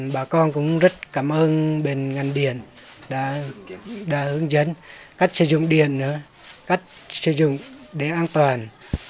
bà con cũng rất cảm ơn bên ngành điện đã hướng dẫn cách sử dụng điện nữa cách sử dụng để an toàn